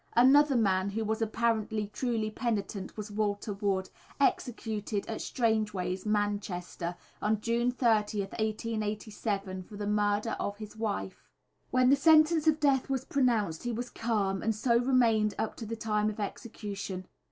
_ Another man who was apparently truly penitent was Walter Wood, executed at Strangeways, Manchester, on June 30th, 1887, for the murder of his wife. When the sentence of death was pronounced he was calm, and so he remained up to the time of execution.